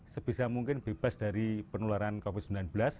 sebisa mungkin bebas dari penularan covid sembilan belas